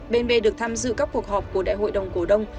bên b được tham dự các cuộc họp của đại hội đồng cổ đông